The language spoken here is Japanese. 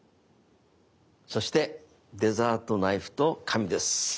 そしてデザートナイフと紙です。